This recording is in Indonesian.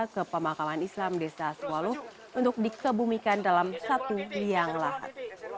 ke pemakaman islam desa swalu untuk dikebumikan dalam satu liang lahat